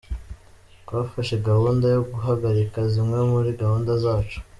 Twafashe gahunda yo guhagarika zimwe muri gahunda zacu….